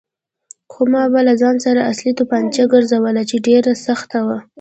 خو ما به له ځان سره اصلي تومانچه ګرځوله چې ډېره سخته وه.